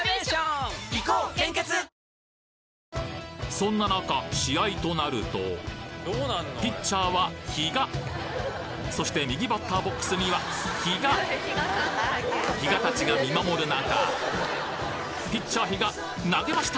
そんな中試合となるとピッチャーは比嘉そして右バッターボックスには比嘉比嘉たちが見守る中ピッチャー比嘉投げました！